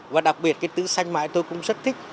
và đặc biệt tứ sanh mãi tôi cũng rất thích